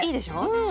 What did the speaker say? うん！